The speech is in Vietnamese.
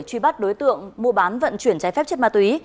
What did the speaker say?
truy bắt đối tượng mua bán vận chuyển trái phép chất ma túy